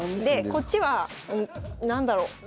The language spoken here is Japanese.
こっちは何だろう？